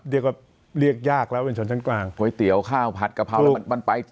เรียกว่าเรียกยากแล้วเป็นชนชั้นกลางก๋วยเตี๋ยวข้าวผัดกะเพราแล้วมันไป